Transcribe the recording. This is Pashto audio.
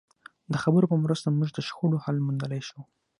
د خبرو په مرسته موږ د شخړو حل موندلای شو.